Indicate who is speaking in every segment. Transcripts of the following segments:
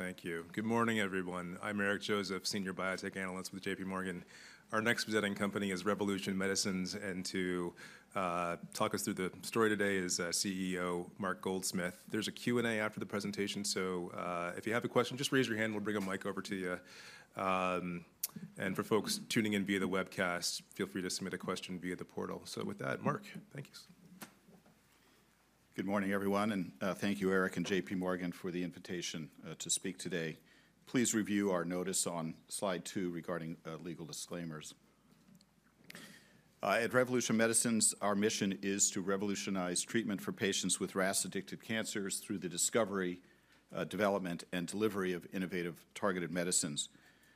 Speaker 1: Okay, thank you. Good morning, everyone. I'm Eric Joseph, Senior Biotech Analyst with J.P. Morgan. Our next presenting company is Revolution Medicines, and to talk us through the story today is CEO Mark Goldsmith. There's a Q&A after the presentation, so if you have a question, just raise your hand, and we'll bring a mic over to you. And for folks tuning in via the webcast, feel free to submit a question via the portal, so with that, Mark, thank you.
Speaker 2: Good morning, everyone, and thank you, Eric and J.P. Morgan, for the invitation to speak today. Please review our notice on slide two regarding legal disclaimers. At Revolution Medicines, our mission is to revolutionize treatment for patients with RAS-induced cancers through the discovery, development, and delivery of innovative targeted medicines.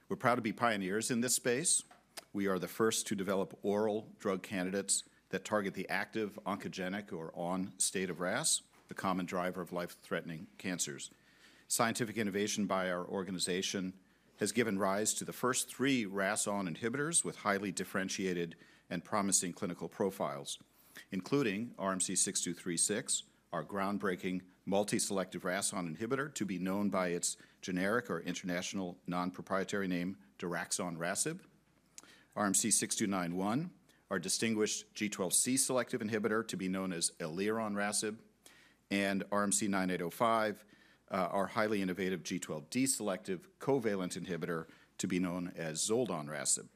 Speaker 2: We're proud to be pioneers in this space. We are the first to develop oral drug candidates that target the active oncogenic ON state of RAS, the common driver of life-threatening cancers. Scientific innovation by our organization has given rise to the first three RAS(ON) inhibitors with highly differentiated and promising clinical profiles, including RMC-6236, our groundbreaking multi-selective RAS(ON) inhibitor to be known by its generic or international non-proprietary name, daraxonrasib. RMC-6291, our distinguished G12C selective inhibitor to be known as elironrasib. And RMC-9805, our highly innovative G12D selective covalent inhibitor to be known as zoldonrasib.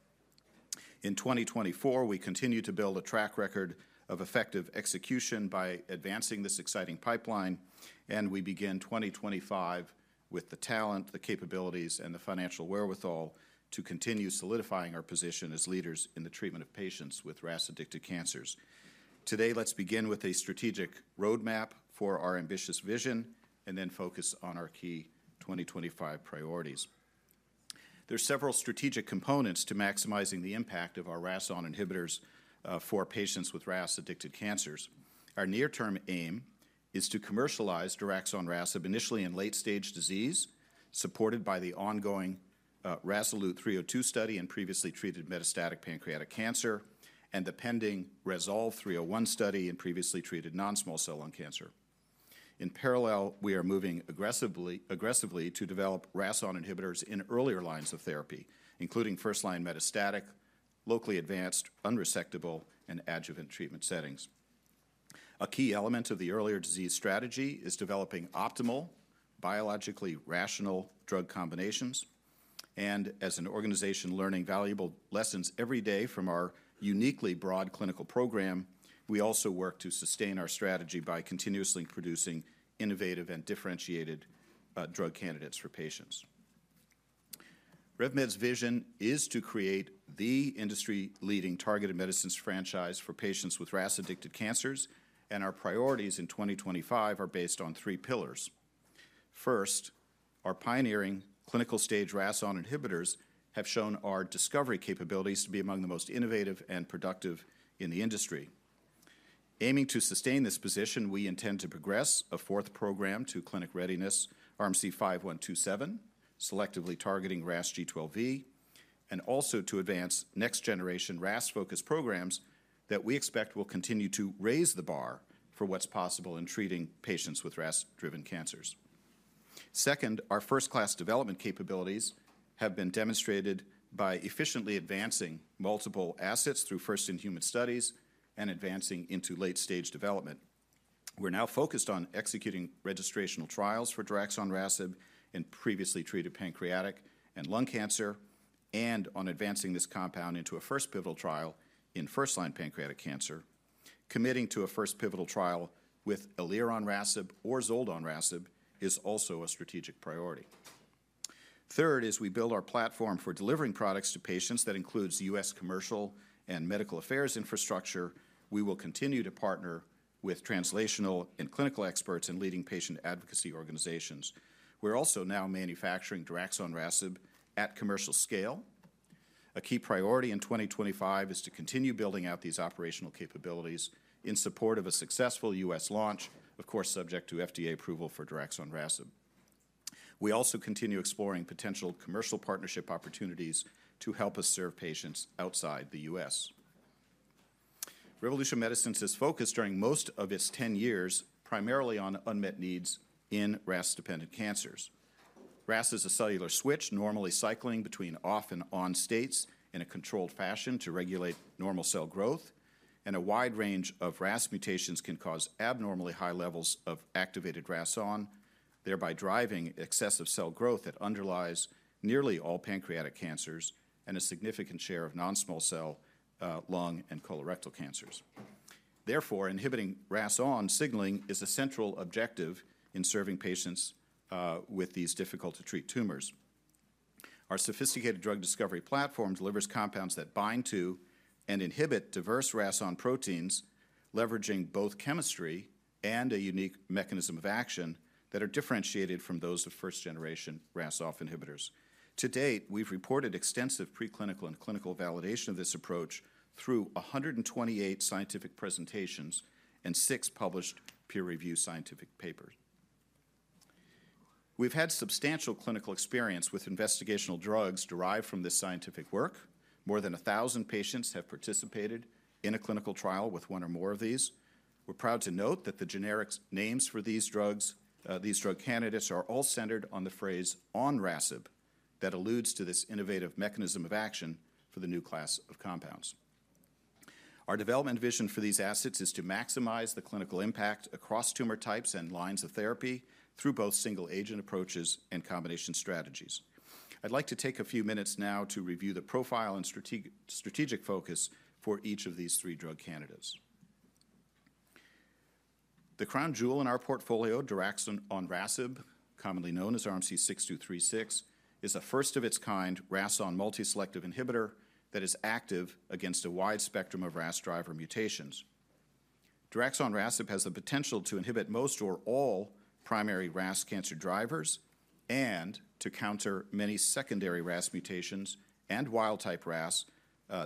Speaker 2: In 2024, we continue to build a track record of effective execution by advancing this exciting pipeline, and we begin 2025 with the talent, the capabilities, and the financial wherewithal to continue solidifying our position as leaders in the treatment of patients with RAS-induced cancers. Today, let's begin with a strategic roadmap for our ambitious vision and then focus on our key 2025 priorities. There are several strategic components to maximizing the impact of our RAS(ON) inhibitors for patients with RAS-induced cancers. Our near-term aim is to commercialize daraxonrasib initially in late-stage disease, supported by the ongoing RASolute-302 study in previously treated metastatic pancreatic cancer and the pending RASolute-301 study in previously treated non-small cell lung cancer. In parallel, we are moving aggressively to develop RAS(ON) inhibitors in earlier lines of therapy, including first-line metastatic, locally advanced, unresectable, and adjuvant treatment settings. A key element of the earlier disease strategy is developing optimal, biologically rational drug combinations, and as an organization learning valuable lessons every day from our uniquely broad clinical program, we also work to sustain our strategy by continuously producing innovative and differentiated drug candidates for patients. RevMed's vision is to create the industry-leading targeted medicines franchise for patients with RAS-induced cancers, and our priorities in 2025 are based on three pillars. First, our pioneering clinical-stage RAS(ON) inhibitors have shown our discovery capabilities to be among the most innovative and productive in the industry. Aiming to sustain this position, we intend to progress a fourth program to clinic readiness, RMC-5127, selectively targeting RAS G12V, and also to advance next-generation RAS-focused programs that we expect will continue to raise the bar for what's possible in treating patients with RAS-driven cancers. Second, our first-class development capabilities have been demonstrated by efficiently advancing multiple assets through first-in-human studies and advancing into late-stage development. We're now focused on executing registrational trials for daraxonrasib in previously treated pancreatic and lung cancer and on advancing this compound into a first pivotal trial in first-line pancreatic cancer. Committing to a first pivotal trial with elironrasib or zoldonrasib is also a strategic priority. Third, as we build our platform for delivering products to patients, that includes U.S. commercial and medical affairs infrastructure, we will continue to partner with translational and clinical experts and leading patient advocacy organizations. We're also now manufacturing daraxonrasib at commercial scale. A key priority in 2025 is to continue building out these operational capabilities in support of a successful U.S. launch, of course, subject to FDA approval for daraxonrasib. We also continue exploring potential commercial partnership opportunities to help us serve patients outside the U.S. Revolution Medicines has focused during most of its 10 years primarily on unmet needs in RAS-dependent cancers. RAS is a cellular switch normally cycling between off and on states in a controlled fashion to regulate normal cell growth, and a wide range of RAS mutations can cause abnormally high levels of activated RAS(ON), thereby driving excessive cell growth that underlies nearly all pancreatic cancers and a significant share of non-small cell lung and colorectal cancers. Therefore, inhibiting RAS(ON) signaling is a central objective in serving patients with these difficult-to-treat tumors. Our sophisticated drug discovery platform delivers compounds that bind to and inhibit diverse RAS(ON) proteins, leveraging both chemistry and a unique mechanism of action that are differentiated from those of first-generation RAS(OFF) inhibitors. To date, we've reported extensive preclinical and clinical validation of this approach through 128 scientific presentations and six published peer-reviewed scientific papers. We've had substantial clinical experience with investigational drugs derived from this scientific work. More than 1,000 patients have participated in a clinical trial with one or more of these. We're proud to note that the generic names for these drugs, these drug candidates, are all centered on the phrase onrasib that alludes to this innovative mechanism of action for the new class of compounds. Our development vision for these assets is to maximize the clinical impact across tumor types and lines of therapy through both single-agent approaches and combination strategies. I'd like to take a few minutes now to review the profile and strategic focus for each of these three drug candidates. The crown jewel in our portfolio, daraxonrasib, commonly known as RMC-6236, is a first-of-its-kind RAS(ON) multi-selective inhibitor that is active against a wide spectrum of RAS driver mutations. Daraxonrasib has the potential to inhibit most or all primary RAS cancer drivers and to counter many secondary RAS mutations and wild-type RAS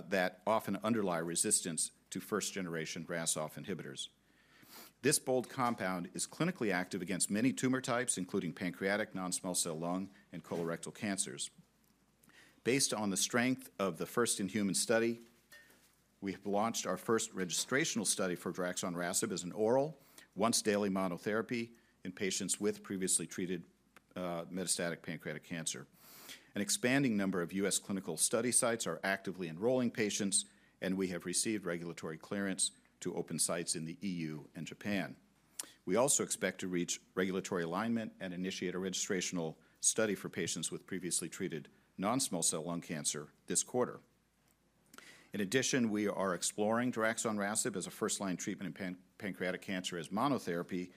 Speaker 2: that often underlie resistance to first-generation RAS(OFF) inhibitors. This bold compound is clinically active against many tumor types, including pancreatic, non-small cell lung, and colorectal cancers. Based on the strength of the first-in-human study, we have launched our first registrational study for daraxonrasib as an oral, once-daily monotherapy in patients with previously treated metastatic pancreatic cancer. An expanding number of U.S. clinical study sites are actively enrolling patients, and we have received regulatory clearance to open sites in the EU and Japan. We also expect to reach regulatory alignment and initiate a registrational study for patients with previously treated non-small cell lung cancer this quarter. In addition, we are exploring daraxonrasib as a first-line treatment in pancreatic cancer as monotherapy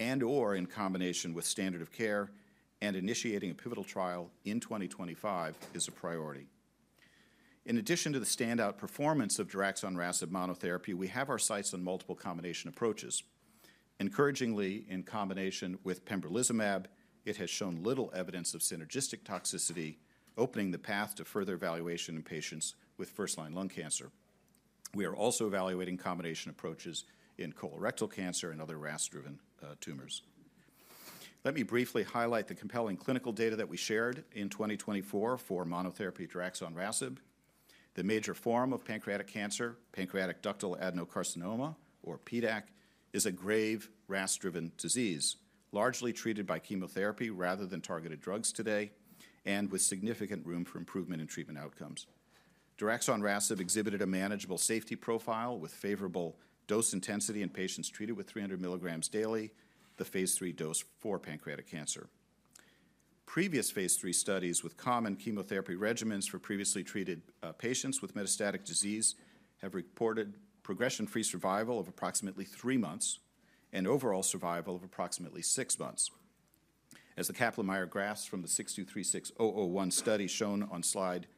Speaker 2: and/or in combination with standard of care, and initiating a pivotal trial in 2025 is a priority. In addition to the standout performance of daraxonrasib monotherapy, we have our sights on multiple combination approaches. Encouragingly, in combination with pembrolizumab, it has shown little evidence of synergistic toxicity, opening the path to further evaluation in patients with first-line lung cancer. We are also evaluating combination approaches in colorectal cancer and other RAS-driven tumors. Let me briefly highlight the compelling clinical data that we shared in 2024 for monotherapy daraxonrasib. The major form of pancreatic cancer, pancreatic ductal adenocarcinoma, or PDAC, is a grave RAS-driven disease, largely treated by chemotherapy rather than targeted drugs today, and with significant room for improvement in treatment outcomes. Daraxonrasib exhibited a manageable safety profile with favorable dose intensity in patients treated with 300 milligrams daily, the phase 3 dose for pancreatic cancer. Previous phase 3 studies with common chemotherapy regimens for previously treated patients with metastatic disease have reported progression-free survival of approximately three months and overall survival of approximately six months. As the Kaplan-Meier graphs from the 6236-001 study shown on slide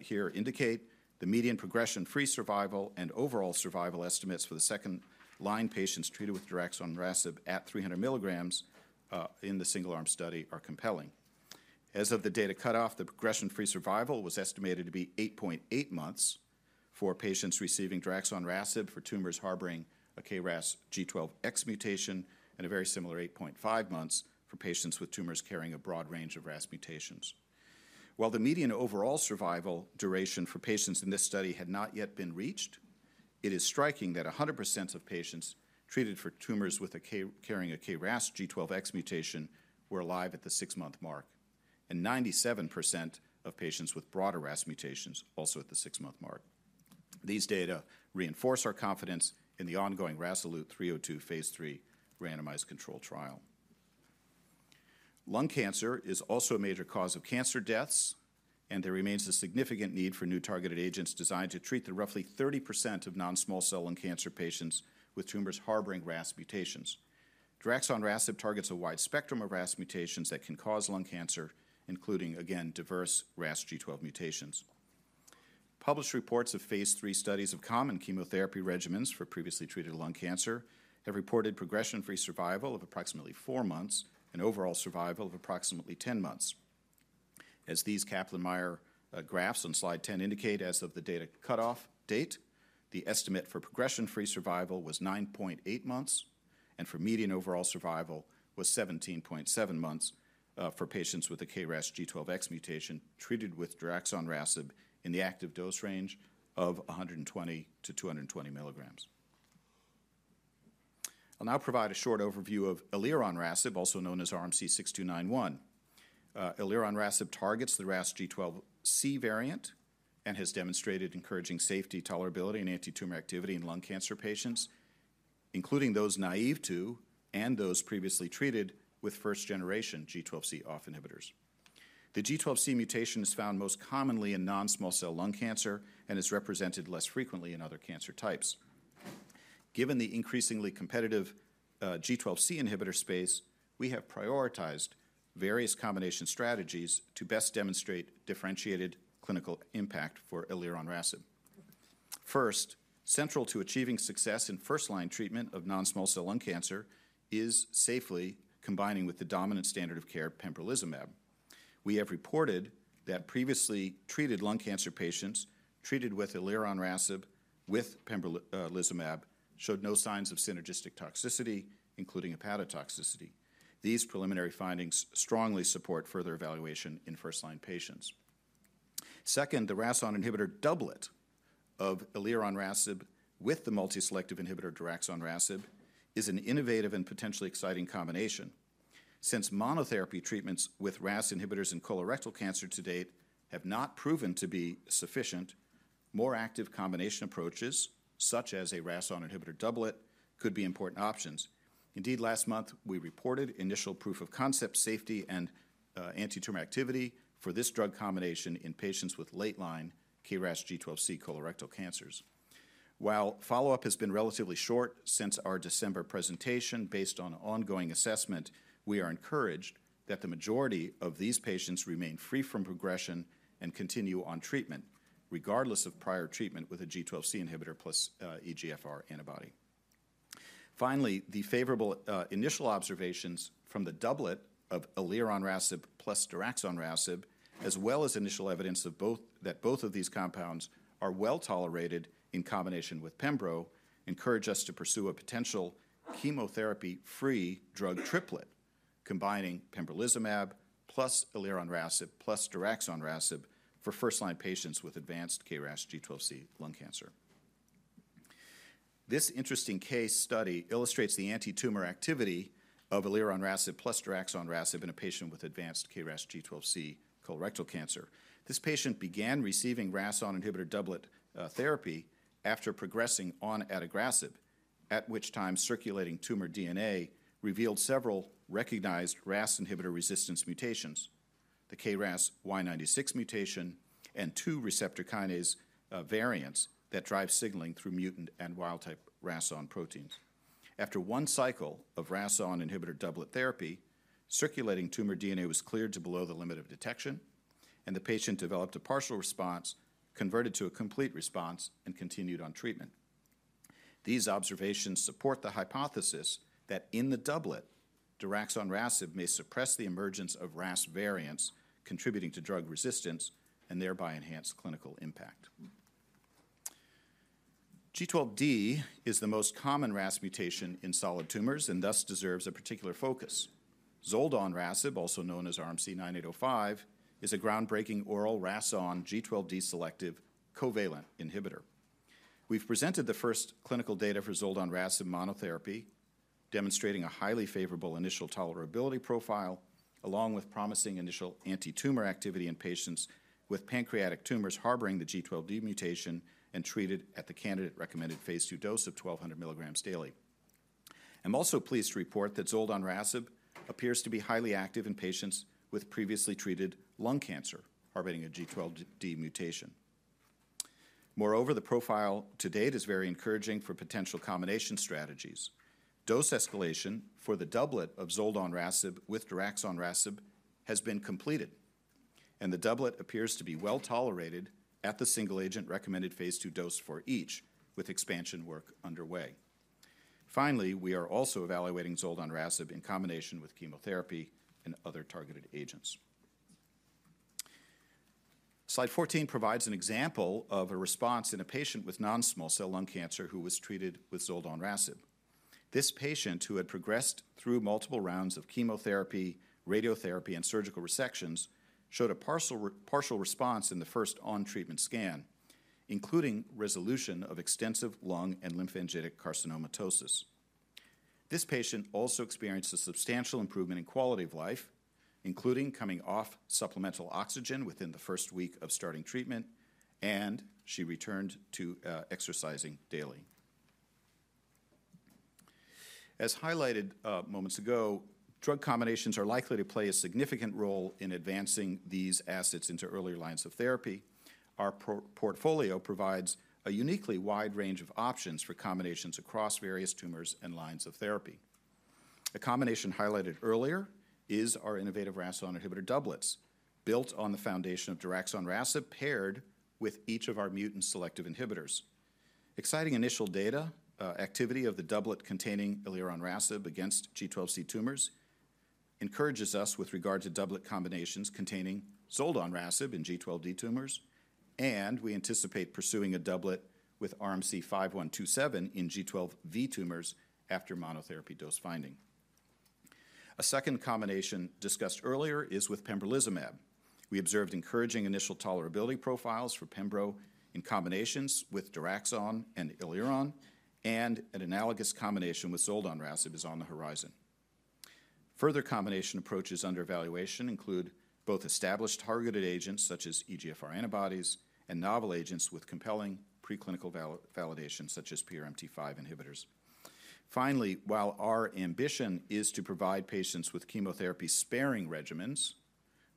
Speaker 2: here indicate, the median progression-free survival and overall survival estimates for the second-line patients treated with daraxonrasib at 300 milligrams in the single-arm study are compelling. As of the data cutoff, the progression-free survival was estimated to be 8.8 months for patients receiving daraxonrasib for tumors harboring a KRAS G12X mutation and a very similar 8.5 months for patients with tumors carrying a broad range of RAS mutations. While the median overall survival duration for patients in this study had not yet been reached, it is striking that 100% of patients treated for tumors carrying a KRAS G12X mutation were alive at the six-month mark, and 97% of patients with broader RAS mutations also at the six-month mark. These data reinforce our confidence in the ongoing RASolute-302 phase three randomized controlled trial. Lung cancer is also a major cause of cancer deaths, and there remains a significant need for new targeted agents designed to treat the roughly 30% of non-small cell lung cancer patients with tumors harboring RAS mutations. Daraxonrasib targets a wide spectrum of RAS mutations that can cause lung cancer, including, again, diverse RAS G12 mutations. Published reports of phase 3 studies of common chemotherapy regimens for previously treated lung cancer have reported progression-free survival of approximately four months and overall survival of approximately 10 months. As these Kaplan-Meier graphs on slide 10 indicate, as of the data cutoff date, the estimate for progression-free survival was 9.8 months, and for median overall survival was 17.7 months for patients with a KRAS G12X mutation treated with daraxonrasib in the active dose range of 120 to 220 milligrams. I'll now provide a short overview of elironrasib, also known as RMC-6291. Elironrasib targets the RAS G12C variant and has demonstrated encouraging safety, tolerability, and anti-tumor activity in lung cancer patients, including those naive to and those previously treated with first-generation G12C OFF inhibitors. The G12C mutation is found most commonly in non-small cell lung cancer and is represented less frequently in other cancer types. Given the increasingly competitive G12C inhibitor space, we have prioritized various combination strategies to best demonstrate differentiated clinical impact for elironrasib. First, central to achieving success in first-line treatment of non-small cell lung cancer is safely combining with the dominant standard of care, pembrolizumab. We have reported that previously treated lung cancer patients treated with elironrasib with pembrolizumab showed no signs of synergistic toxicity, including hepatotoxicity. These preliminary findings strongly support further evaluation in first-line patients. Second, the RAS(ON) inhibitor doublet of elironrasib with the multi-selective inhibitor daraxonrasib is an innovative and potentially exciting combination. Since monotherapy treatments with RAS inhibitors in colorectal cancer to date have not proven to be sufficient, more active combination approaches, such as a RAS(ON) inhibitor doublet, could be important options. Indeed, last month, we reported initial proof of concept safety and anti-tumor activity for this drug combination in patients with late-line KRAS G12C colorectal cancers. While follow-up has been relatively short since our December presentation, based on ongoing assessment, we are encouraged that the majority of these patients remain free from progression and continue on treatment, regardless of prior treatment with a G12C inhibitor plus EGFR antibody. Finally, the favorable initial observations from the doublet of elironrasib plus daraxonrasib, as well as initial evidence that both of these compounds are well tolerated in combination with pembro, encourage us to pursue a potential chemotherapy-free drug triplet, combining pembrolizumab plus elironrasib plus daraxonrasib for first-line patients with advanced KRAS G12C lung cancer. This interesting case study illustrates the anti-tumor activity of elironrasib plus daraxonrasib in a patient with advanced KRAS G12C colorectal cancer. This patient began receiving RAS(ON) inhibitor doublet therapy after progressing on adagrasib, at which time circulating tumor DNA revealed several recognized RAS inhibitor resistance mutations, the KRAS Y96 mutation and two receptor kinase variants that drive signaling through mutant and wild-type RAS(ON) proteins. After one cycle of RAS(ON) inhibitor doublet therapy, circulating tumor DNA was cleared to below the limit of detection, and the patient developed a partial response, converted to a complete response, and continued on treatment. These observations support the hypothesis that in the doublet, daraxonrasib may suppress the emergence of RAS variants contributing to drug resistance and thereby enhance clinical impact. G12D is the most common RAS mutation in solid tumors and thus deserves a particular focus. Zoldonrasib, also known as RMC-9805, is a groundbreaking oral RAS(ON) G12D selective covalent inhibitor. We've presented the first clinical data for zoldonrasib monotherapy, demonstrating a highly favorable initial tolerability profile, along with promising initial anti-tumor activity in patients with pancreatic tumors harboring the G12D mutation and treated at the candidate-recommended phase two dose of 1,200 milligrams daily. I'm also pleased to report that zoldonrasib appears to be highly active in patients with previously treated lung cancer harboring a G12D mutation. Moreover, the profile to date is very encouraging for potential combination strategies. Dose escalation for the doublet of zoldonrasib with daraxonrasib has been completed, and the doublet appears to be well tolerated at the single-agent recommended phase two dose for each, with expansion work underway. Finally, we are also evaluating zoldonrasib in combination with chemotherapy and other targeted agents. Slide 14 provides an example of a response in a patient with non-small cell lung cancer who was treated with zoldonrasib. This patient, who had progressed through multiple rounds of chemotherapy, radiotherapy, and surgical resections, showed a partial response in the first on-treatment scan, including resolution of extensive lung and lymphangitic carcinomatosis. This patient also experienced a substantial improvement in quality of life, including coming off supplemental oxygen within the first week of starting treatment, and she returned to exercising daily. As highlighted moments ago, drug combinations are likely to play a significant role in advancing these assets into earlier lines of therapy. Our portfolio provides a uniquely wide range of options for combinations across various tumors and lines of therapy. A combination highlighted earlier is our innovative RAS(ON) inhibitor doublets, built on the foundation of daraxonrasib paired with each of our mutant selective inhibitors. Exciting initial data activity of the doublet containing elironrasib against G12C tumors encourages us with regard to doublet combinations containing zoldonrasib in G12D tumors, and we anticipate pursuing a doublet with RMC-5127 in G12V tumors after monotherapy dose finding. A second combination discussed earlier is with pembrolizumab. We observed encouraging initial tolerability profiles for pembro in combinations with daraxonrasib and elironrasib, and an analogous combination with zoldonrasib is on the horizon. Further combination approaches under evaluation include both established targeted agents such as EGFR antibodies and novel agents with compelling preclinical validation such as PRMT5 inhibitors. Finally, while our ambition is to provide patients with chemotherapy-sparing regimens,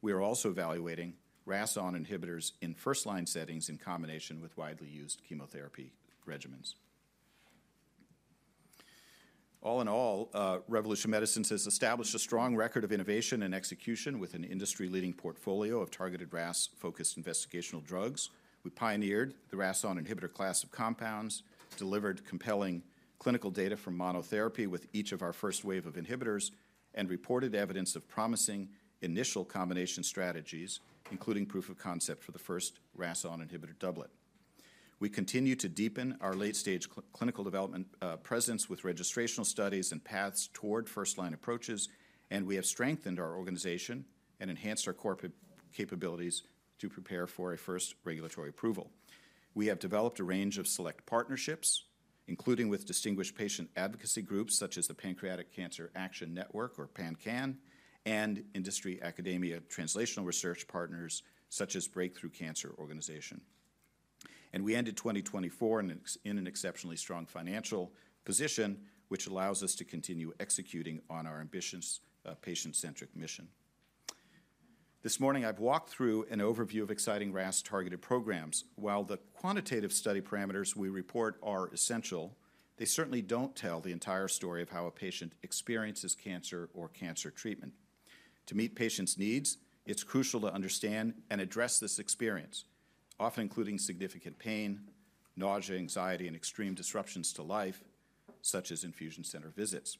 Speaker 2: we are also evaluating RAS(ON) inhibitors in first-line settings in combination with widely used chemotherapy regimens. All in all, Revolution Medicines has established a strong record of innovation and execution with an industry-leading portfolio of targeted RAS-focused investigational drugs. We pioneered the RAS(ON) inhibitor class of compounds, delivered compelling clinical data from monotherapy with each of our first wave of inhibitors, and reported evidence of promising initial combination strategies, including proof of concept for the first RAS(ON) inhibitor doublet. We continue to deepen our late-stage clinical development presence with registrational studies and paths toward first-line approaches, and we have strengthened our organization and enhanced our core capabilities to prepare for a first regulatory approval. We have developed a range of select partnerships, including with distinguished patient advocacy groups such as the Pancreatic Cancer Action Network, or PanCAN, and industry academia translational research partners such as Break Through Cancer organization. We ended 2024 in an exceptionally strong financial position, which allows us to continue executing on our ambitious patient-centric mission. This morning, I've walked through an overview of exciting RAS targeted programs. While the quantitative study parameters we report are essential, they certainly don't tell the entire story of how a patient experiences cancer or cancer treatment. To meet patients' needs, it's crucial to understand and address this experience, often including significant pain, nausea, anxiety, and extreme disruptions to life, such as infusion center visits.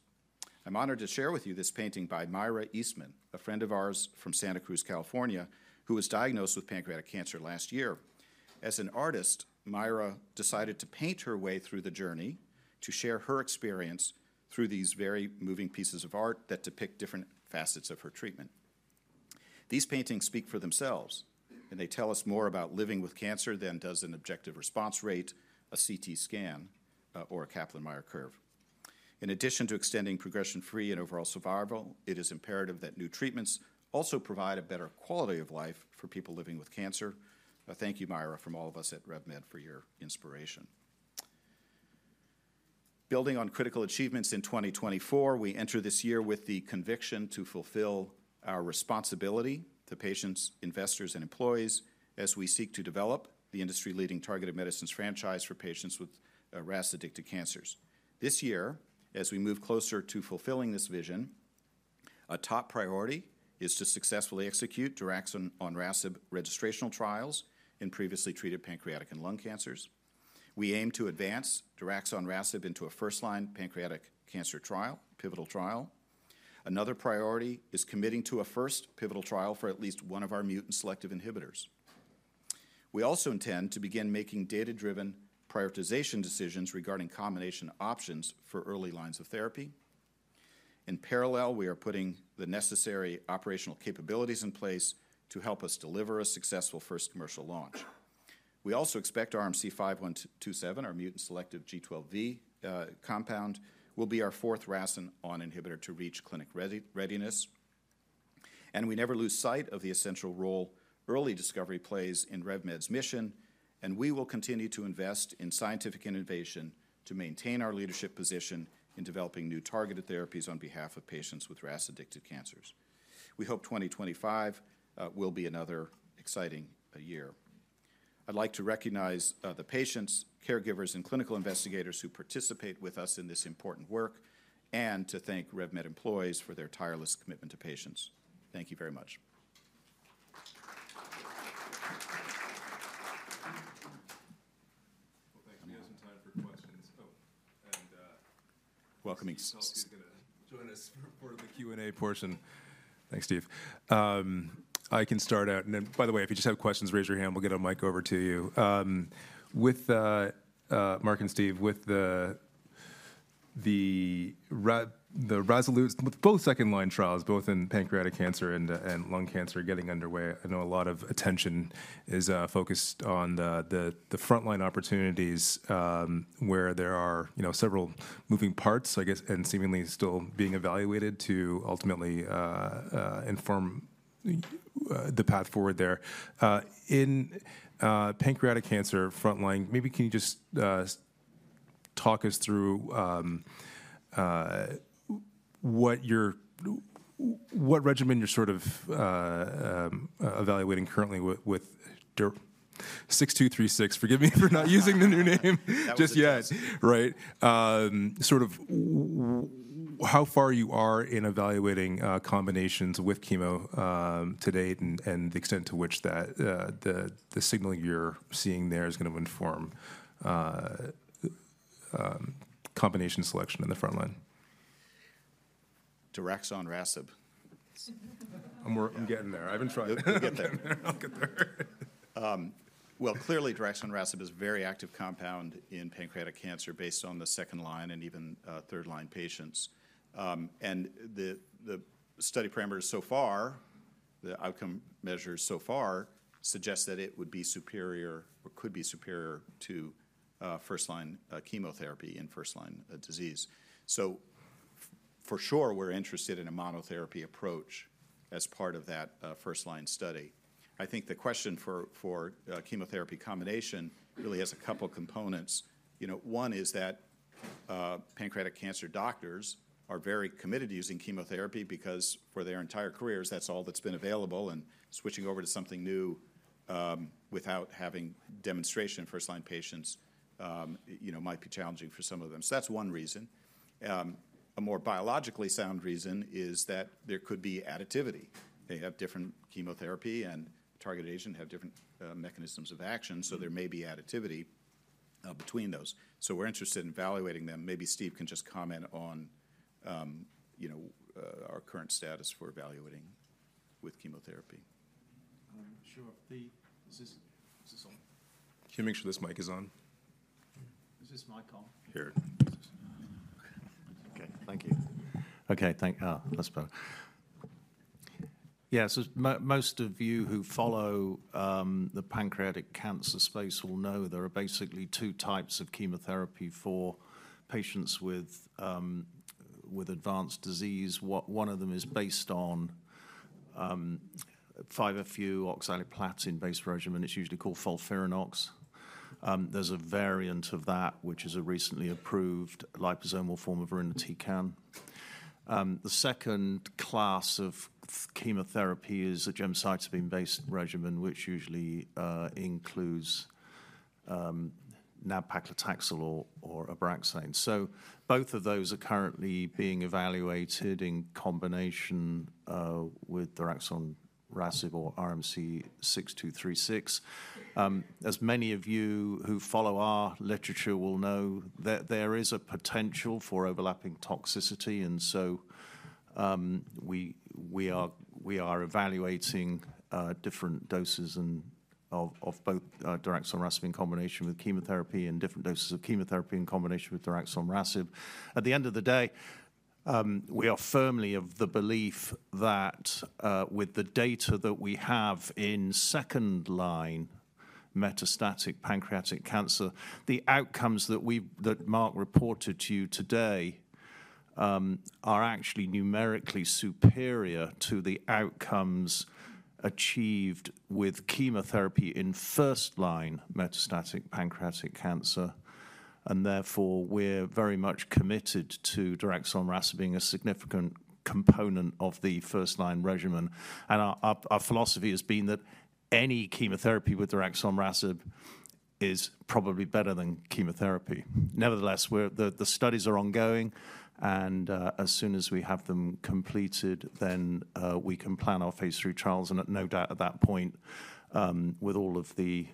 Speaker 2: I'm honored to share with you this painting by Myra Eastman, a friend of ours from Santa Cruz, California, who was diagnosed with pancreatic cancer last year. As an artist, Myra decided to paint her way through the journey to share her experience through these very moving pieces of art that depict different facets of her treatment. These paintings speak for themselves, and they tell us more about living with cancer than does an objective response rate, a CT scan, or a Kaplan-Meier curve. In addition to extending progression-free and overall survival, it is imperative that new treatments also provide a better quality of life for people living with cancer. Thank you, Myra, from all of us at RevMed for your inspiration. Building on critical achievements in 2024, we enter this year with the conviction to fulfill our responsibility to patients, investors, and employees as we seek to develop the industry-leading targeted medicines franchise for patients with RAS-addicted cancers. This year, as we move closer to fulfilling this vision, a top priority is to successfully execute daraxonrasib registrational trials in previously treated pancreatic and lung cancers. We aim to advance daraxonrasib into a first-line pancreatic cancer pivotal trial. Another priority is committing to a first pivotal trial for at least one of our mutant selective inhibitors. We also intend to begin making data-driven prioritization decisions regarding combination options for early lines of therapy. In parallel, we are putting the necessary operational capabilities in place to help us deliver a successful first commercial launch. We also expect RMC-5127, our mutant selective G12V compound, will be our fourth RAS(ON) inhibitor to reach clinic readiness. And we never lose sight of the essential role early discovery plays in RevMed's mission, and we will continue to invest in scientific innovation to maintain our leadership position in developing new targeted therapies on behalf of patients with RAS-addicted cancers. We hope 2025 will be another exciting year. I'd like to recognize the patients, caregivers, and clinical investigators who participate with us in this important work, and to thank RevMed employees for their tireless commitment to patients. Thank you very much.
Speaker 1: Well, thanks. We have some time for questions.
Speaker 2: Welcome, Steve? / Steve Kelsey.
Speaker 1: He's going to join us for the Q&A portion. Thanks, Steve. I can start out. And by the way, if you just have questions, raise your hand. We'll get a mic over to you. With Mark and Steve, with the RASolute, both second-line trials, both in pancreatic cancer and lung cancer getting underway, I know a lot of attention is focused on the front-line opportunities where there are several moving parts, I guess, and seemingly still being evaluated to ultimately inform the path forward there. In pancreatic cancer front line, maybe can you just talk us through what regimen you're sort of evaluating currently with 6236? Forgive me for not using the new name just yet, right? Sort of how far you are in evaluating combinations with chemo to date and the extent to which the signaling you're seeing there is going to inform combination selection in the front line.
Speaker 2: Daraxonrasib.
Speaker 1: I'm getting there. I've been trying to get there. I'll get there.
Speaker 2: Clearly, daraxonrasib is a very active compound in pancreatic cancer based on the second-line and even third-line patients. The study parameters so far, the outcome measures so far, suggest that it would be superior or could be superior to first-line chemotherapy in first-line disease. For sure, we're interested in a monotherapy approach as part of that first-line study. I think the question for chemotherapy combination really has a couple of components. One is that pancreatic cancer doctors are very committed to using chemotherapy because for their entire careers, that's all that's been available, and switching over to something new without having demonstration in first-line patients might be challenging for some of them. That's one reason. A more biologically sound reason is that there could be additivity. They have different chemotherapy, and targeted agents have different mechanisms of action, so there may be additivity between those. So we're interested in evaluating them. Maybe Steve can just comment on our current status for evaluating with chemotherapy.
Speaker 1: Sure. Is this on?
Speaker 2: Can you make sure this mic is on?
Speaker 1: Is this my comm?
Speaker 2: Here.
Speaker 1: Okay. Thank you.
Speaker 2: Okay. Thank you. That's better. Yeah. So most of you who follow the pancreatic cancer space will know there are basically two types of chemotherapy for patients with advanced disease. One of them is based on 5-FU oxaliplatin-based regimen. It's usually called FOLFIRINOX. There's a variant of that, which is a recently approved liposomal form of irinotecan. The second class of chemotherapy is a gemcitabine-based regimen, which usually includes nab-paclitaxel or Abraxane. So both of those are currently being evaluated in combination with daraxonrasib or RMC-6236. As many of you who follow our literature will know, there is a potential for overlapping toxicity, and so we are evaluating different doses of both daraxonrasib in combination with chemotherapy and different doses of chemotherapy in combination with daraxonrasib. At the end of the day, we are firmly of the belief that with the data that we have in second-line metastatic pancreatic cancer, the outcomes that Mark reported to you today are actually numerically superior to the outcomes achieved with chemotherapy in first-line metastatic pancreatic cancer, and therefore, we're very much committed to daraxonrasib being a significant component of the first-line regimen, and our philosophy has been that any chemotherapy with daraxonrasib is probably better than chemotherapy. Nevertheless, the studies are ongoing, and as soon as we have them completed, then we can plan our phase three trials, and no doubt at that point, with all of the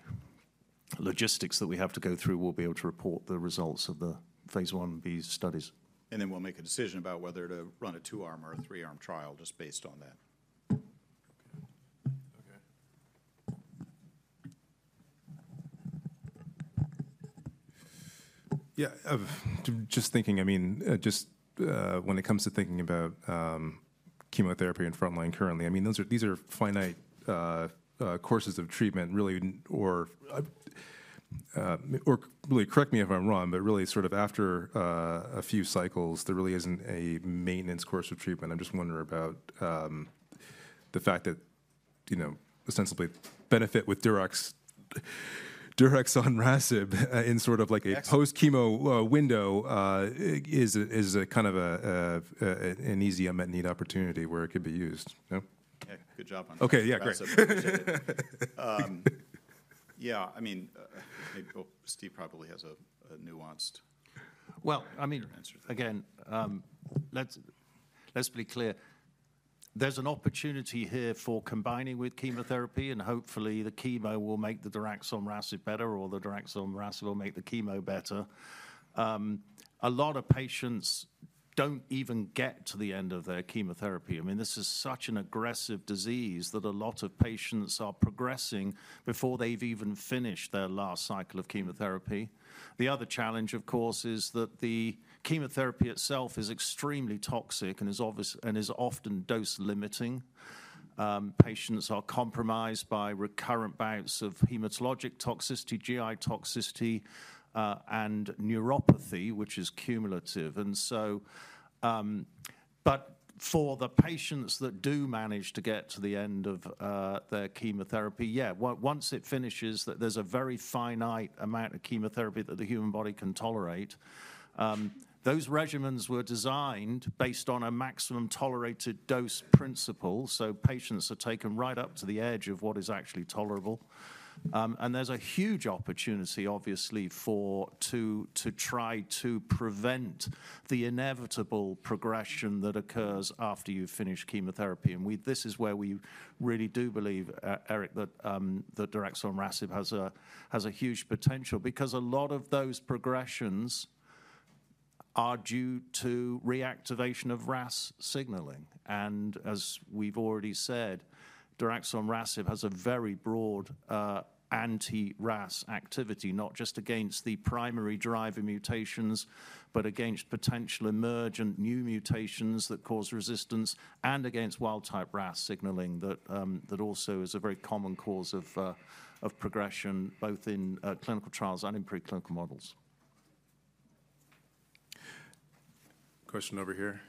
Speaker 2: logistics that we have to go through, we'll be able to report the results of the phase one and phase studies.
Speaker 1: And then we'll make a decision about whether to run a two-arm or a three-arm trial just based on that. Okay.
Speaker 2: Yeah. Just thinking, I mean, just when it comes to thinking about chemotherapy in front line currently, I mean, these are finite courses of treatment, really, or really, correct me if I'm wrong, but really sort of after a few cycles, there really isn't a maintenance course of treatment. I'm just wondering about the fact that ostensibly benefit with daraxonrasib in sort of like a post-chemo window is kind of an easy unmet need opportunity where it could be used.
Speaker 1: Okay. Good job on that.
Speaker 2: Okay. Yeah. Great.
Speaker 1: Yeah. I mean, Steve probably has a nuanced answer.
Speaker 2: I mean, again, let's be clear. There's an opportunity here for combining with chemotherapy, and hopefully, the chemo will make the daraxonrasib better or the daraxonrasib will make the chemo better. A lot of patients don't even get to the end of their chemotherapy. I mean, this is such an aggressive disease that a lot of patients are progressing before they've even finished their last cycle of chemotherapy. The other challenge, of course, is that the chemotherapy itself is extremely toxic and is often dose-limiting. Patients are compromised by recurrent bouts of hematologic toxicity, GI toxicity, and neuropathy, which is cumulative. And so, but for the patients that do manage to get to the end of their chemotherapy, yeah, once it finishes, there's a very finite amount of chemotherapy that the human body can tolerate. Those regimens were designed based on a maximum tolerated dose principle. So patients are taken right up to the edge of what is actually tolerable. And there's a huge opportunity, obviously, to try to prevent the inevitable progression that occurs after you've finished chemotherapy. And this is where we really do believe, Eric, that daraxonrasib has a huge potential because a lot of those progressions are due to reactivation of RAS signaling. And as we've already said, daraxonrasib has a very broad anti-RAS activity, not just against the primary driving mutations, but against potential emergent new mutations that cause resistance and against wild-type RAS signaling that also is a very common cause of progression, both in clinical trials and in preclinical models.
Speaker 1: Question over here.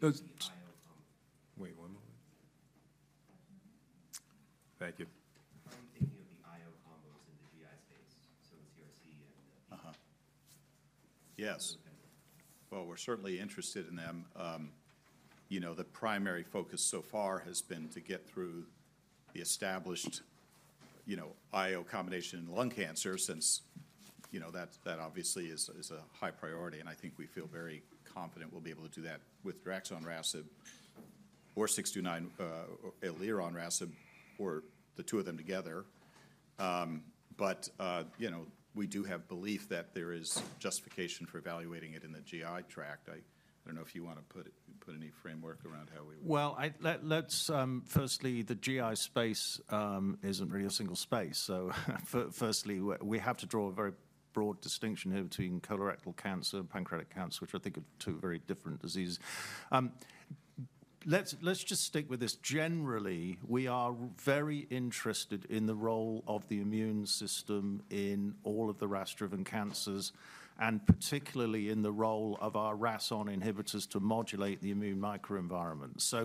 Speaker 1: How are you thinking of the IO combo? Wait one moment. Question over here. Thank you. How are you thinking of the IO combos in the GI space? So the CRC and the.
Speaker 2: Yes. Well, we're certainly interested in them. The primary focus so far has been to get through the established IO combination in lung cancer since that obviously is a high priority. And I think we feel very confident we'll be able to do that with daraxonrasib or 629, elironrasib, or the two of them together. But we do have belief that there is justification for evaluating it in the GI tract. I don't know if you want to put any framework around how we.
Speaker 1: Let's firstly, the GI space isn't really a single space. First, we have to draw a very broad distinction here between colorectal cancer and pancreatic cancer, which I think are two very different diseases. Let's just stick with this generally. We are very interested in the role of the immune system in all of the RAS-driven cancers and particularly in the role of our RAS(ON) inhibitors to modulate the immune microenvironment.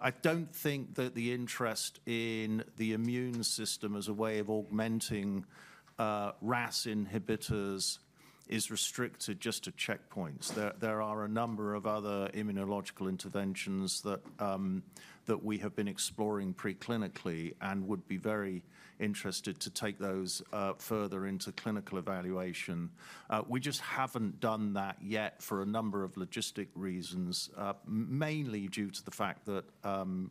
Speaker 1: I don't think that the interest in the immune system as a way of augmenting RAS inhibitors is restricted just to checkpoints. There are a number of other immunological interventions that we have been exploring preclinically and would be very interested to take those further into clinical evaluation. We just haven't done that yet for a number of logistical reasons, mainly due to the fact that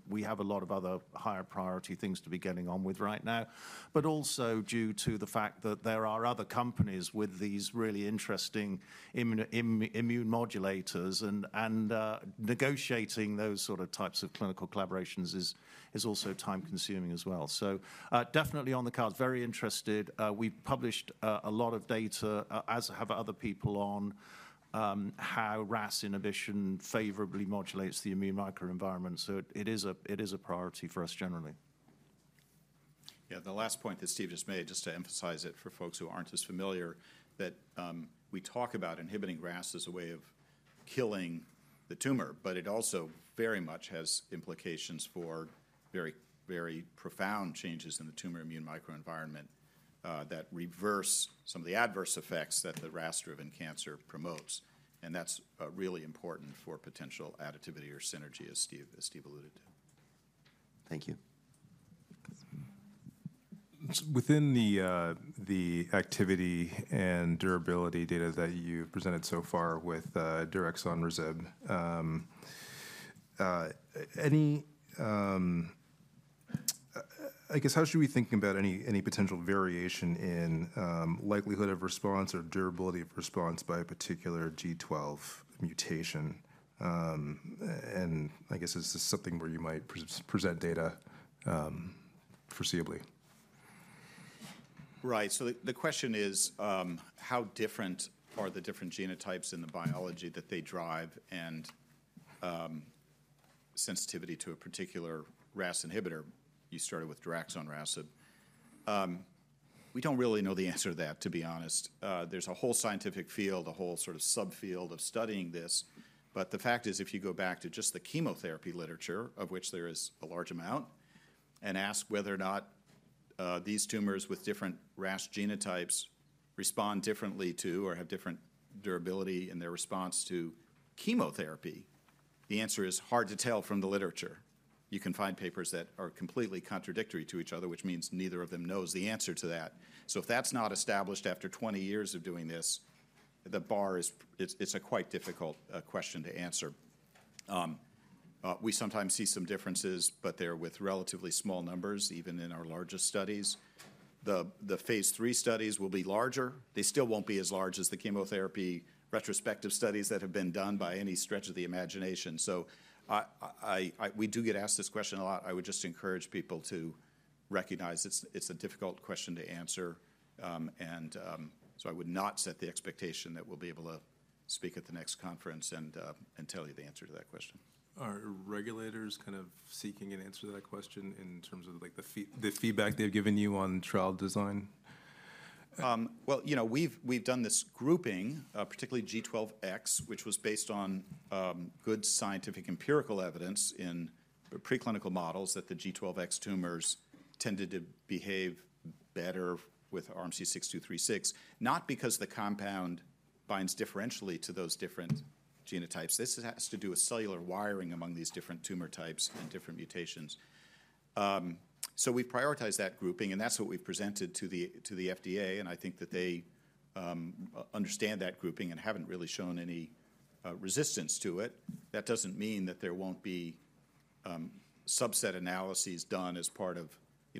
Speaker 1: we have a lot of other higher priority things to be getting on with right now, but also due to the fact that there are other companies with these really interesting immune modulators, and negotiating those sort of types of clinical collaborations is also time-consuming as well, so definitely on the cards. Very interested. We've published a lot of data, as have other people, on how RAS inhibition favorably modulates the immune microenvironment, so it is a priority for us generally.
Speaker 2: Yeah. The last point that Steve just made, just to emphasize it for folks who aren't as familiar, that we talk about inhibiting RAS as a way of killing the tumor, but it also very much has implications for very, very profound changes in the tumor immune microenvironment that reverse some of the adverse effects that the RAS-driven cancer promotes, and that's really important for potential additivity or synergy, as Steve alluded to.
Speaker 1: Thank you.
Speaker 2: Within the activity and durability data that you've presented so far with daraxonrasib, I guess, how should we think about any potential variation in likelihood of response or durability of response by a particular G12 mutation? And I guess this is something where you might present data foreseeably.
Speaker 1: Right. So the question is, how different are the different genotypes in the biology that they drive sensitivity to a particular RAS inhibitor? You started with daraxonrasib. We don't really know the answer to that, to be honest. There's a whole scientific field, a whole sort of subfield of studying this. But the fact is, if you go back to just the chemotherapy literature, of which there is a large amount, and ask whether or not these tumors with different RAS genotypes respond differently to or have different durability in their response to chemotherapy, the answer is hard to tell from the literature. You can find papers that are completely contradictory to each other, which means neither of them knows the answer to that. So if that's not established after 20 years of doing this, the bar is a quite difficult question to answer. We sometimes see some differences, but they're with relatively small numbers, even in our largest studies. The phase three studies will be larger. They still won't be as large as the chemotherapy retrospective studies that have been done by any stretch of the imagination. So we do get asked this question a lot. I would just encourage people to recognize it's a difficult question to answer. And so I would not set the expectation that we'll be able to speak at the next conference and tell you the answer to that question.
Speaker 2: Are regulators kind of seeking an answer to that question in terms of the feedback they've given you on trial design?
Speaker 1: We've done this grouping, particularly G12X, which was based on good scientific empirical evidence in preclinical models that the G12X tumors tended to behave better with RMC-6236, not because the compound binds differentially to those different genotypes. This has to do with cellular wiring among these different tumor types and different mutations. So we've prioritized that grouping, and that's what we've presented to the FDA. And I think that they understand that grouping and haven't really shown any resistance to it. That doesn't mean that there won't be subset analyses done as part of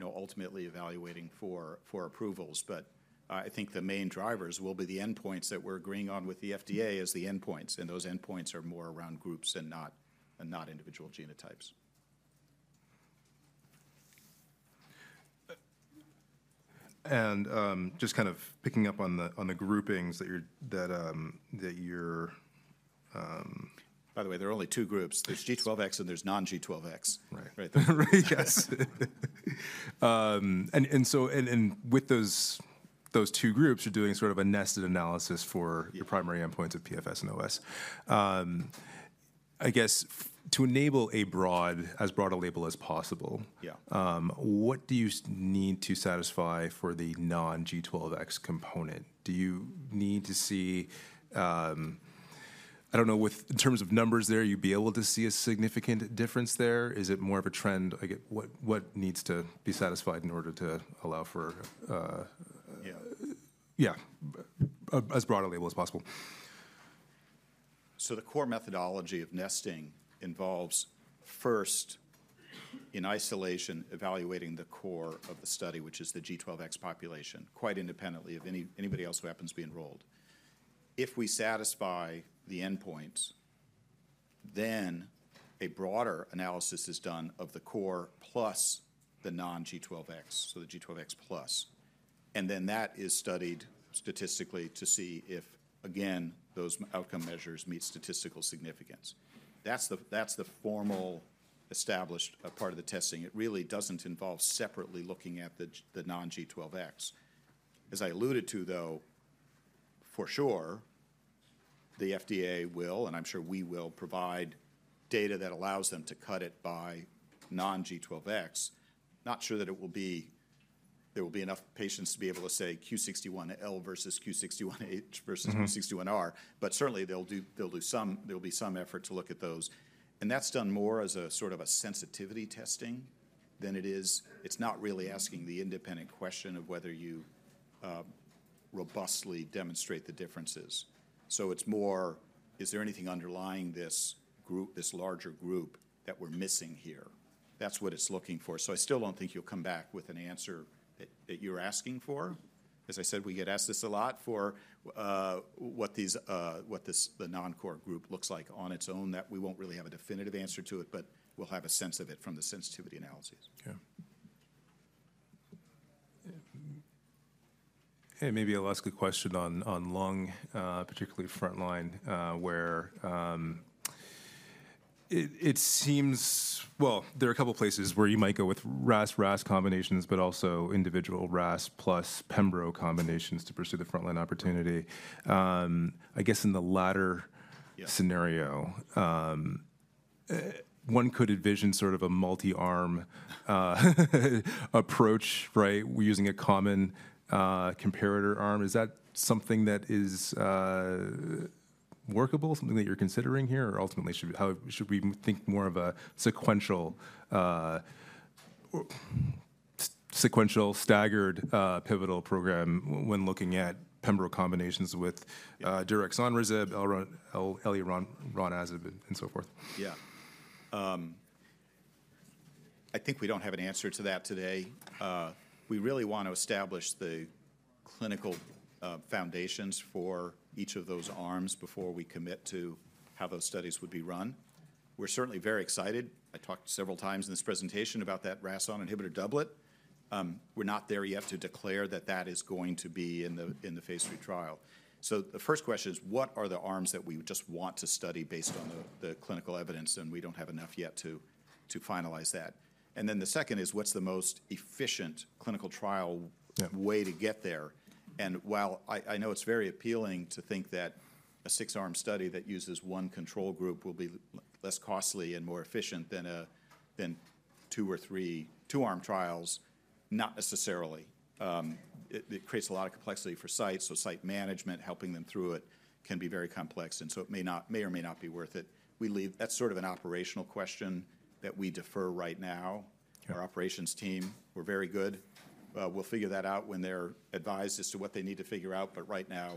Speaker 1: ultimately evaluating for approvals. But I think the main drivers will be the endpoints that we're agreeing on with the FDA as the endpoints. And those endpoints are more around groups and not individual genotypes.
Speaker 2: And just kind of picking up on the groupings that you're.
Speaker 1: By the way, there are only two groups. There's G12X and there's non-G12X.
Speaker 2: Right.
Speaker 1: Right.
Speaker 2: Yes. And with those two groups, you're doing sort of a nested analysis for your primary endpoints of PFS and OS. I guess to enable as broad a label as possible, what do you need to satisfy for the non-G12X component? Do you need to see, I don't know, in terms of numbers there, you'd be able to see a significant difference there? Is it more of a trend? What needs to be satisfied in order to allow for?
Speaker 1: Yeah.
Speaker 2: Yeah, as broad a label as possible.
Speaker 1: so the core methodology of nesting involves first, in isolation, evaluating the core of the study, which is the G12X population, quite independently of anybody else who happens to be enrolled. If we satisfy the endpoints, then a broader analysis is done of the core plus the non-G12X, so the G12X plus. And then that is studied statistically to see if, again, those outcome measures meet statistical significance. That's the formal established part of the testing. It really doesn't involve separately looking at the non-G12X. As I alluded to, though, for sure, the FDA will, and I'm sure we will, provide data that allows them to cut it by non-G12X. Not sure that there will be enough patients to be able to say Q61L versus Q61H versus Q61R, but certainly, there'll be some effort to look at those. That's done more as a sort of a sensitivity testing than it is. It's not really asking the independent question of whether you robustly demonstrate the differences. So it's more, is there anything underlying this larger group that we're missing here? That's what it's looking for. So I still don't think you'll come back with an answer that you're asking for. As I said, we get asked this a lot for what the non-core group looks like on its own, that we won't really have a definitive answer to it, but we'll have a sense of it from the sensitivity analysis.
Speaker 2: Yeah. And maybe a last quick question on lung, particularly frontline, where it seems, well, there are a couple of places where you might go with RAS/RAS combinations, but also individual RAS plus pembrolizumab combinations to pursue the frontline opportunity. I guess in the latter scenario, one could envision sort of a multi-arm approach, right, using a common comparator arm. Is that something that is workable, something that you're considering here, or ultimately, should we think more of a sequential staggered pivotal program when looking at pembrolizumab combinations with daraxonrasib, elironrasib, and so forth?
Speaker 1: Yeah. I think we don't have an answer to that today. We really want to establish the clinical foundations for each of those arms before we commit to how those studies would be run. We're certainly very excited. I talked several times in this presentation about that RAS(ON) inhibitor doublet. We're not there yet to declare that that is going to be in the phase 3 trial. So the first question is, what are the arms that we just want to study based on the clinical evidence? And we don't have enough yet to finalize that. And then the second is, what's the most efficient clinical trial way to get there? And while I know it's very appealing to think that a six-arm study that uses one control group will be less costly and more efficient than two or three two-arm trials, not necessarily. It creates a lot of complexity for sites. So site management, helping them through it, can be very complex. And so it may or may not be worth it. That's sort of an operational question that we defer right now. Our operations team, we're very good. We'll figure that out when they're advised as to what they need to figure out. But right now,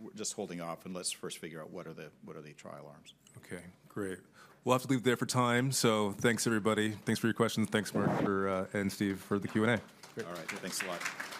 Speaker 1: we're just holding off and let's first figure out what are the trial arms?
Speaker 2: Okay. Great. We'll have to leave it there for time. So thanks, everybody. Thanks for your questions. Thanks, Mark and Steve for the Q&A.
Speaker 1: All right. Thanks a lot. All right.